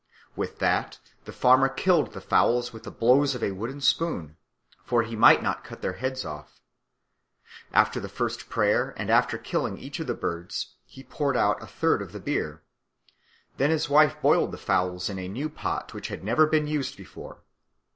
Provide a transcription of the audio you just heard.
With that the farmer killed the fowls with the blows of a wooden spoon, for he might not cut their heads off. After the first prayer and after killing each of the birds he poured out a third of the beer. Then his wife boiled the fowls in a new pot which had never been used before.